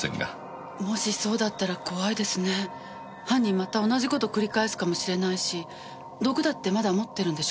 また同じ事繰り返すかもしれないし毒だってまだ持ってるんでしょ？